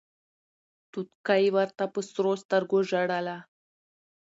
توتکۍ ورته په سرو سترګو ژړله